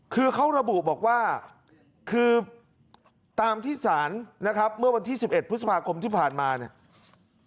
คือเขาระบุบอกว่าคือตามที่ศาลนะครับเมื่อวันที่๑๑พฤษภาคมที่ผ่านมาเนี่ย